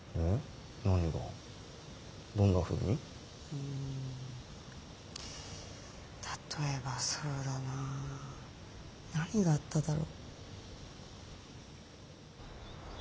うん例えばそうだな何があっただろ。